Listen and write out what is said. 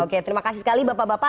oke terima kasih sekali bapak bapak